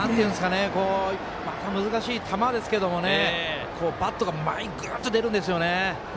難しい球ですけどねバットが前にグッと出るんですよね。